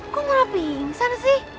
kok udah pingsan sih